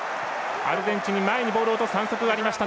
アルゼンチンに前にボールを落とす反則がありました。